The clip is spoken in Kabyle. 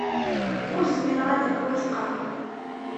Ur zmireɣ ad k-wafqeɣ.